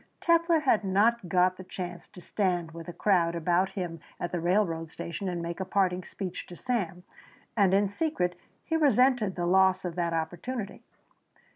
Telfer had not got the chance to stand with a crowd about him at the railroad station and make a parting speech to Sam, and in secret he resented the loss of that opportunity.